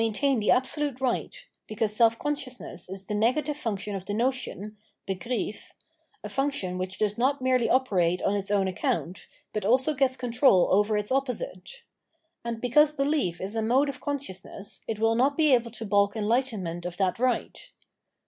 int, airi the absolute right, because self conscious ness is the negative function of the notion (Begriff), a function which does not merely operate on its own account, but also gets control over its opposite. And because behef is a mode of consciousness, it will not be able to balk enhghtenment of that right.